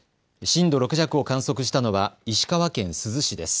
震度６弱を観測したのは石川県珠洲市です。